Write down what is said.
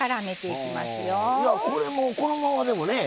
いやこれもこのままでもね。